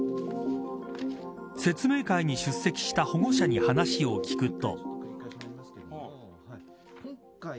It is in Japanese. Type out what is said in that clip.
説明会に出席した保護者に話を聞くと。